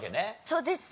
そうです。